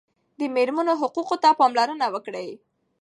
د مېرمنو حقوقو ته پاملرنه وکړئ.